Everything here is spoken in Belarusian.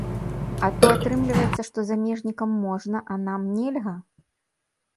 А то атрымліваецца, што замежнікам можна, а нам нельга?